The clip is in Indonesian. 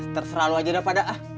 terserah aja daripada ah